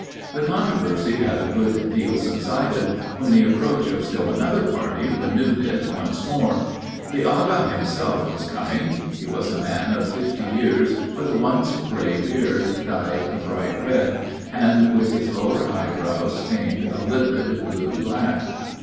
The controversy had a good deal subsided, when the approach of still another party renewed it once more. The Agha himself was coming. He was a man of fifty years, with a once gray beard, dyed a bright red, and with his lower eyebrows stained a livid blue black.